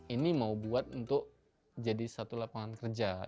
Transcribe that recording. ini mau buat untuk jadi satu lapangan kerja